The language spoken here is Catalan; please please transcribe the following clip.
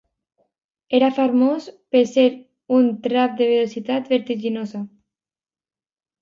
Era famós per ser un trap de velocitat vertiginosa.